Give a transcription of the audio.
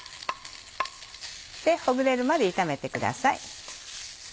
ほぐれるまで炒めてください。